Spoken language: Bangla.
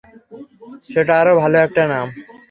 সেটা আরো ভালো একটা নাম!